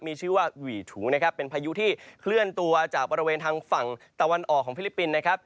มีชื่อว่าหวี่ถูนะครับเป็นพายุที่เคลื่อนตัวจากบริเวณทางฝั่งตะวันออกของฟิลิปปินส์นะครับ